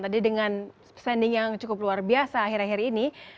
tadi dengan standing yang cukup luar biasa akhir akhir ini